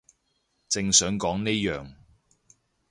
正想講呢樣